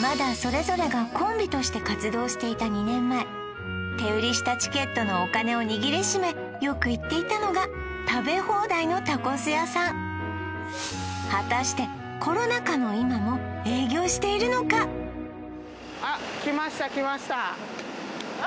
まだそれぞれがコンビとして活動していた２年前手売りしたチケットのお金を握り締めよく行っていたのが食べ放題のタコス屋さん果たしてあっ来ました来ましたあ！